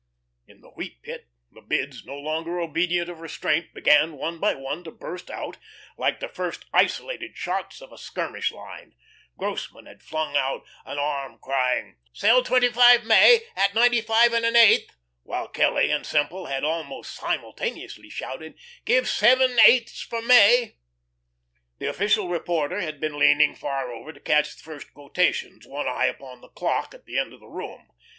In the Wheat Pit the bids, no longer obedient of restraint, began one by one to burst out, like the first isolated shots of a skirmish line. Grossmann had flung out an arm crying: "'Sell twenty five May at ninety five and an eighth," while Kelly and Semple had almost simultaneously shouted, "'Give seven eighths for May!" The official reporter had been leaning far over to catch the first quotations, one eye upon the clock at the end of the room.